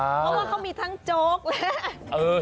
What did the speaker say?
เพราะว่าเขามีทั้งโจ๊กและ